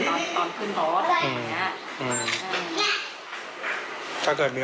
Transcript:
ถ้าเกิดมีโอกาสพูดกับเขาอยากจะบอกอะไรเขา